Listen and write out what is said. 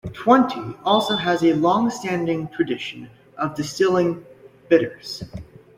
Twente also has a longstanding tradition of distilling bitters.